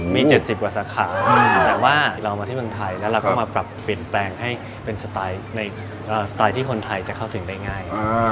มี๗๐กว่าสาขาแต่ว่าเรามาที่เมืองไทยแล้วเราก็มาปรับเปลี่ยนแปลงให้เป็นสไตล์ในสไตล์ที่คนไทยจะเข้าถึงได้ง่าย